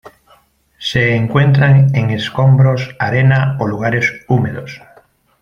Se encuentran en escombros, arena o lugares húmedos.